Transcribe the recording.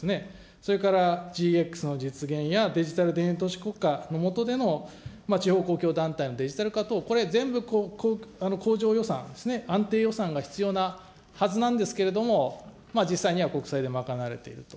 それからＧＸの実現やデジタル田園都市国家の下での地方公共団体のデジタル化等、これ、全部恒常予算ですね、安定予算が必要なはずなんですけれども、実際には国債で賄われていると。